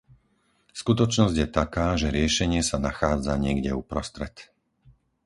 Skutočnosť je taká, že riešenie sa nachádza niekde uprostred.